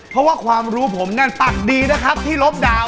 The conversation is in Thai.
เพราะว่าความรู้ผมนั่นปักดีนะครับที่ลบดาวน